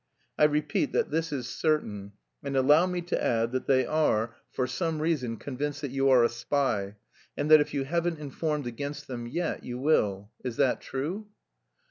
I repeat that this is certain, and allow me to add that they are, for some reason, convinced that you are a spy, and that if you haven't informed against them yet, you will. Is that true?"